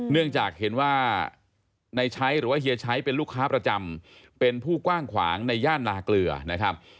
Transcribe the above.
เนื่องจากเห็นว่าในใช้หรือว่าเฮียชัยเป็นลูกค้าประจำเป็นผู้กว้างขวางในย่านนาเกลือนะครับ